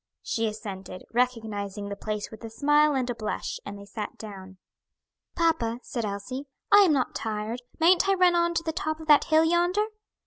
She assented, recognizing the place with a smile and a blush, and they sat down. "Papa," said Elsie, "I am not tired, mayn't I run on to the top of that hill yonder?"